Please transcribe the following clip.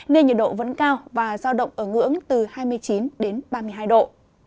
nên nhiệt độ vẫn cao và giao động ở ngưỡng từ hai mươi chín đến ba mươi hai độ